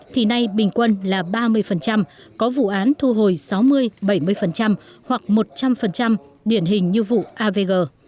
thì nay bình quân là ba mươi có vụ án thu hồi sáu mươi bảy mươi hoặc một trăm linh điển hình như vụ avg